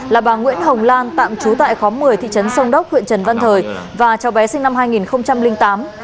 là bà nguyễn hồng lan tạm trú tại khóm một mươi thị trấn sông đốc huyện trần văn thời và cho bé sinh năm hai nghìn tám